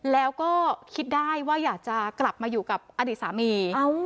แล้วก็คิดได้ว่าอยากจะกลับมาอยู่กับอดีตสามี